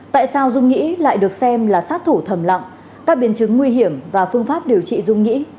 tại sao dung nhĩ lại được xem là sát thủ thầm lặng các biến chứng nguy hiểm và phương pháp điều trị dung nhĩ